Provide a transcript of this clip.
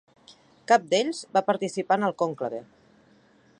Cap d'ells va participar en el conclave.